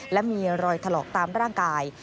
และมีรอยถลอกตามร่างกาย